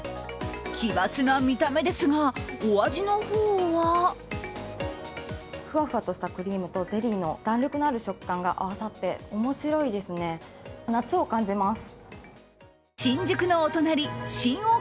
奇抜な見た目ですが、お味の方はふわふわとしたクリームとゼリーの弾力がある食感が合わさって面白いですね、夏を感じます。